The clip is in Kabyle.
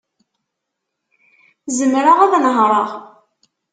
Zemreɣ ad nehṛeɣ.